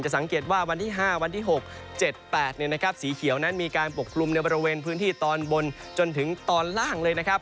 สังเกตว่าวันที่๕วันที่๖๗๘สีเขียวนั้นมีการปกกลุ่มในบริเวณพื้นที่ตอนบนจนถึงตอนล่างเลยนะครับ